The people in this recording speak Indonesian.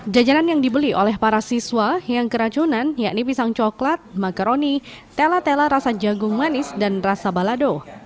jajanan yang dibeli oleh para siswa yang keracunan yakni pisang coklat makaroni tela tela rasa jagung manis dan rasa balado